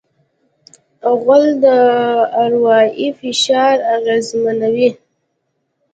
غول د اروایي فشار اغېزمنوي.